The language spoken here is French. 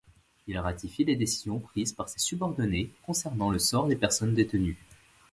Il ratifie les décisions prises par ses subordonnés concernant le sort des personnes détenues.